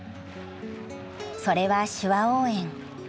それは手話応援。